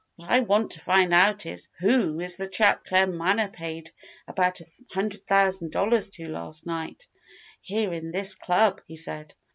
"What I want to find out is, who is the chap Claremanagh paid about a hundred thousand dollars to last night, here in this club?" he said.